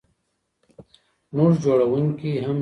موږ جوړونکي هم یو.